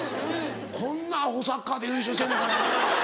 こんなアホサッカーで優勝してんのやからやな。